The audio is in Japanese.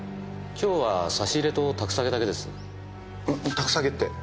宅下げって？